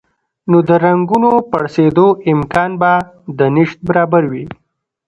نو د رګونو پړسېدو امکان به د نشت برابر وي